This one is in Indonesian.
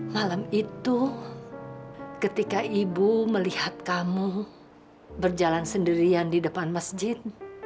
malam itu ketika ibu melihat kamu berjalan sendirian di depan masjid